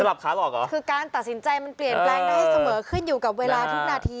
ก็มันยังไม่หมดวันหนึ่ง